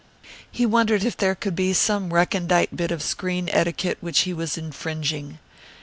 He wondered if there could be some recondite bit of screen etiquette which he was infringing.